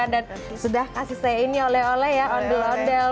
dan sudah kasih saya ini oleh oleh ya on the londel